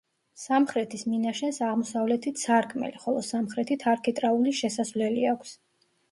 სამხრეთის მინაშენს აღმოსავლეთით სარკმელი, ხოლო სამხრეთით არქიტრავული შესასვლელი აქვს.